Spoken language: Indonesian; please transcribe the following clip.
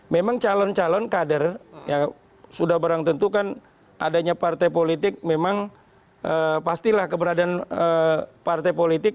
memang calon calon kader ya sudah barang tentu kan adanya partai politik memang pastilah keberadaan partai politik